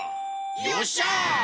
よっしゃ！